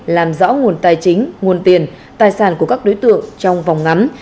làm rõ nguồn tài chính nguồn tiền tài sản của các đối tượng trong vòng ngắn